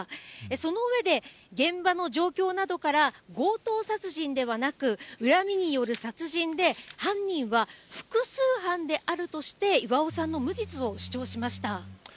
その上で、現場の状況などから強盗殺人ではなく恨みによる殺人で、犯人は複数犯であるとして、巌さんの無実を主張しました。